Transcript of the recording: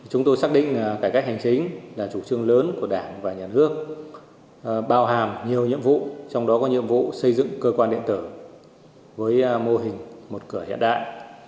chúng tôi xác định cải cách hành chính là chủ trương lớn của đảng và nhà nước bao hàm nhiều nhiệm vụ trong đó có nhiệm vụ xây dựng cơ quan điện tử với mô hình một cửa hiện đại